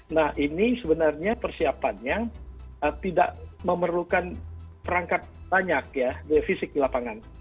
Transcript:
nah ini sebenarnya persiapannya tidak memerlukan perangkat banyak ya fisik di lapangan